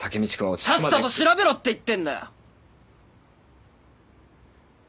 さっさと調べろって言ってんだよ！